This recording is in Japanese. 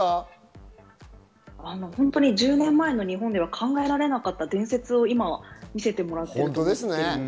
１０年前の日本では考えられなかった伝説を今、見せてもらっていると思っていて、